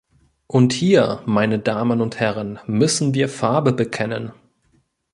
Und hier, meine Damen und Herren, müssen wir Farbe bekennen!